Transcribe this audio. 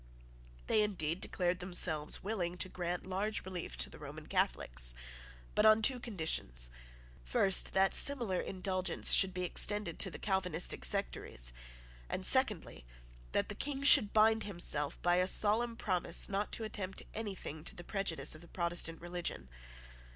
They indeed declared themselves willing to grant large relief to the Roman Catholics; but on two conditions; first, that similar indulgence should be extended to the Calvinistic sectaries; and, secondly, that the King should bind himself by a solemn promise not to attempt anything to the prejudice of the Protestant religion.